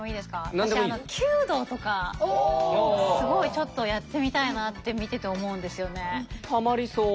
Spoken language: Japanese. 私すごいちょっとやってみたいなって見てて思うんですよね。